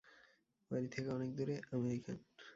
বাড়ি থেকে অনেক দূরে, আমেরিকান।